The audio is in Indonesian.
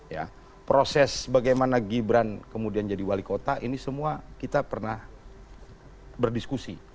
ya proses bagaimana gibran kemudian jadi wali kota ini semua kita pernah berdiskusi